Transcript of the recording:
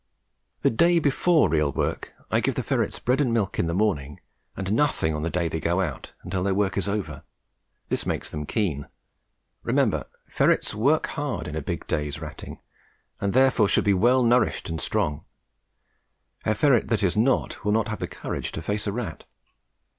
The day before real work, I give the ferrets bread and milk in the morning, and nothing on the day they go out until their work is over. This makes them keen. Remember ferrets work hard in a big day's ratting, and therefore should be well nourished and strong; a ferret that is not will not have the courage to face a rat.